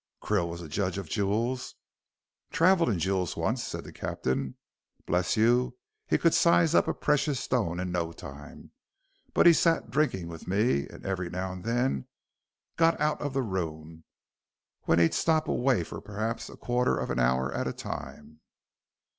"Krill was a judge of jewels?" "Travelled in jewels once," said the captain. "Bless you, he could size up a precious stone in no time. But he sat drinking with me, and every now and then got out of the room, when he'd stop away for perhaps a quarter of an hour at the time."